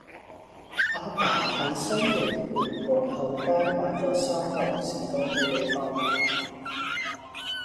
亞爸喺西營盤皇后街買左三磅士多啤梨返屋企